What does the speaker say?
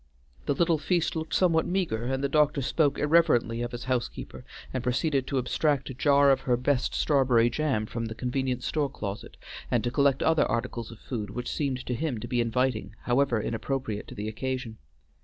The little feast looked somewhat meagre, and the doctor spoke irreverently of his housekeeper and proceeded to abstract a jar of her best strawberry jam from the convenient store closet, and to collect other articles of food which seemed to him to be inviting, however inappropriate to the occasion.